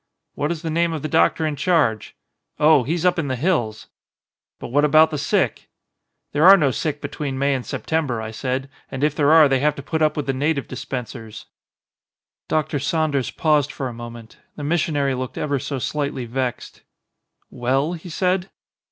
'What is the name of the doc tor in charge?' 'Oh, he's up in the hills.' 'But what about the sick?' 'There are no sick between May and September,' I said, 'and if there are they have to put up with the native dispensers.' " Dr. Saunders paused for a moment. The mis sionary looked ever so slightly vexed. "Well?" he said.